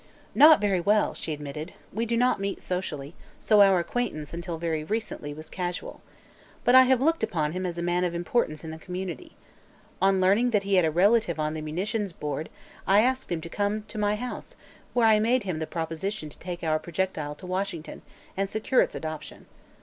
"Not very well," she admitted. "We do not meet socially, so our acquaintance until very recently was casual. But I have looked upon him as a man of importance in the community. On learning that he had a relative on the munitions board, I asked him to come, to my house, where I made him the proposition to take our projectile to Washington and secure its adoption.